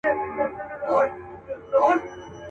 دښمني به سره پاته وي کلونه.